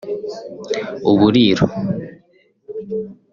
uburiro